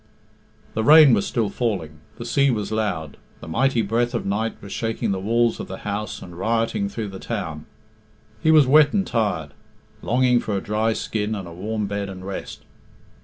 The rain was still falling, the sea was loud, the mighty breath of night was shaking the walls of the house and rioting through the town. He was wet and tired, longing for a dry skin and a warm bed and rest.